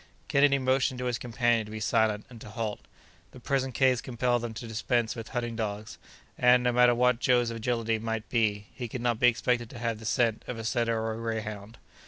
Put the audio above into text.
Kennedy motioned to his companion to be silent and to halt. The present case compelled them to dispense with hunting dogs, and, no matter what Joe's agility might be, he could not be expected to have the scent of a setter or a greyhound.